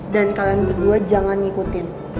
dan kalian berdua jangan ngikutin